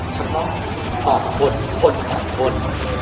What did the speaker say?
เฉพาะออกคนคนออกคน